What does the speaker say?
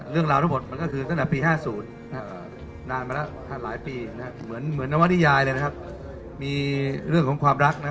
เรื่องราวทั้งหมดมันก็คือตั้งแต่ปี๕๐นานมาแล้วหลายปีเหมือนนวริยายเลยนะครับมีเรื่องของความรัก